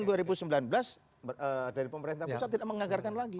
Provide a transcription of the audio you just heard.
tahun dua ribu sembilan belas dari pemerintah pusat tidak mengagarkan lagi